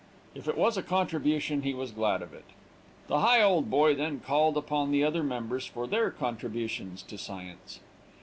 If it was a contribution he was glad of it. The Higholdboy then called upon the other members for their contributions to science.